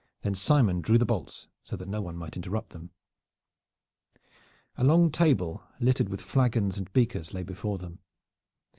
Then Simon drew the bolts so that none might interrupt them. A long table littered with flagons and beakers lay before them.